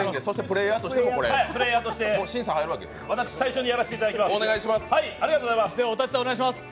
プレーヤーとして、私、最初にやらせていただきます。